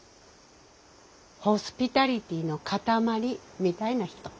ホスピタリティーの塊みたいな人。